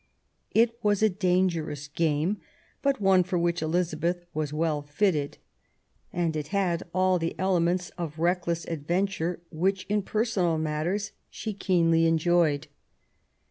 It was a dangerous game, but one for which Elizabeth was well fitted ; and it had all the elements * of reckless adventure which, in personal matters, she keenly enjoyed.